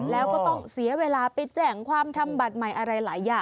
แล้วก็ต้องเสียเวลาไปแจ้งความทำบัตรใหม่อะไรหลายอย่าง